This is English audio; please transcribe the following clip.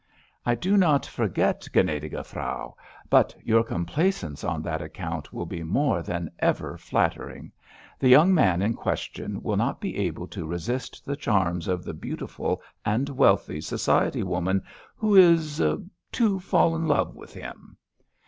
"I do not forget, gnädige Frau; but your complaisance on that account will be more than ever flattering. The young man in question will not be able to resist the charms of the beautiful and wealthy society woman who is—to fall in love with him!"